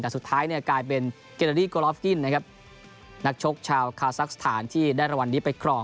แต่สุดท้ายเนี่ยกลายเป็นเกราดี้โกรอฟกิ้นนะครับนักชกชาวคาซักสถานที่ได้รางวัลนี้ไปครอง